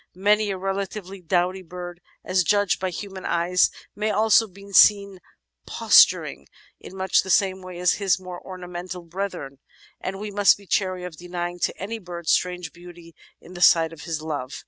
Many a relatively "dowdy" bird — as judged by human eyes — may also be seen posturing in much the same way as his more ornamental brethren, and we must be chary of denying to any bird strange beauty in the sight of his love